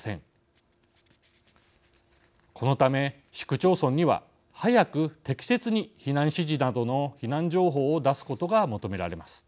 このため市区町村には早く適切に避難指示などの避難情報を出すことが求められます。